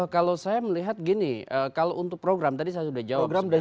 kalau saya melihat gini kalau untuk program tadi saya sudah jawab